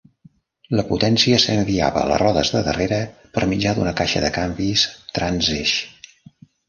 La potència s'enviava a les rodes de darrere per mitjà d'una caixa de canvis transeix.